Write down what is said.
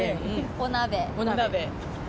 お鍋。